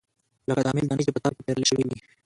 لکه د امېل دانې چې پۀ تار کښې پېرلے شوي وي